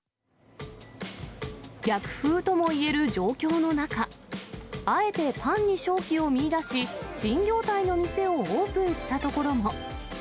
逆風ともいえる状況の中、あえてパンに商機を見いだし、新業態の店をオープンした所も。